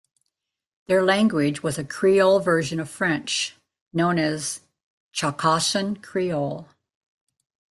Their language was a Creole version of French, known as Chagossian Creole.